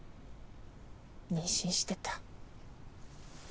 妊娠してた。